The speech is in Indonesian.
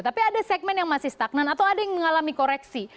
tapi ada segmen yang masih stagnan atau ada yang mengalami koreksi